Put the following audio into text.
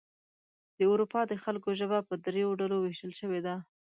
د اروپا د خلکو ژبه په دریو ډلو ویشل شوې ده.